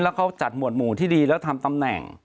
แล้วเขาจัดหวดหมู่ที่ดีแล้วทำตำแหน่ง